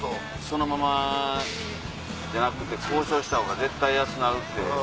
そのままじゃなくて交渉したほうが絶対安なるって。